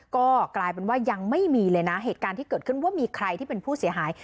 ก็กลายเป็นว่ายังไม่มีเลยนะเหตุการณ์ที่เกิดขึ้นว่ามีใครที่เป็นผู้เสียหาย